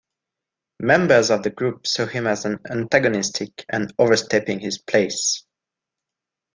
Members of the group saw him as antagonistic and overstepping his place.